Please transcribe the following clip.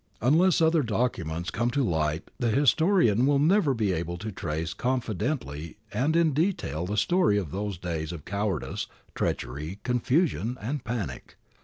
Unless other documents come to light the historian will never be able to trace confidently and in detail the story of those days of cowardice, treachery, confusion, and panic.